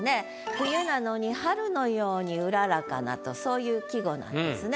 冬なのに春のようにうららかなとそういう季語なんですね。